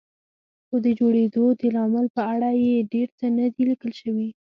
خو د جوړېدو د لامل په اړه یې ډېر څه نه دي لیکل شوي.